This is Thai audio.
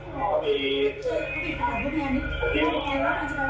ผมไม่เหนียวเอาไม่เหนียวผมไม่ไหว